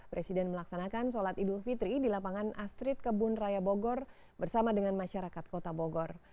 presiden melaksanakan sholat idul fitri di lapangan astrid kebun raya bogor bersama dengan masyarakat kota bogor